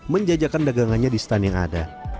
menjajakan daganganya di stun yang ada